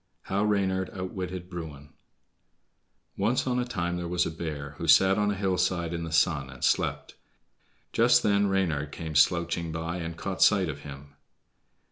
How Reynard Outwitted Bruin Once on a time there was a bear, who sat on a hillside in the sun and slept. Just then Reynard came slouching by and caught sight of him.